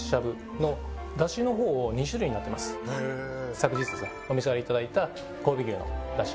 昨日お召し上がりいただいた神戸牛のだし。